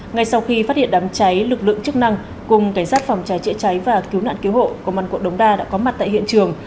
ngay sau khi phát hiện đám cháy lực lượng chức năng cùng cảnh sát phòng cháy chữa cháy và cứu nạn cứu hộ công an quận đống đa đã có mặt tại hiện trường